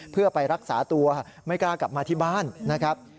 เพื่อไปรักษาตัวไม่กล้ากลับมาที่บ้านนะครับ